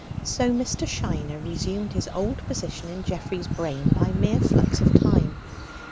So Mr. Shiner resumed his old position in Geoffrey's brain by mere flux of time.